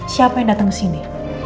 siapa yang datang kesini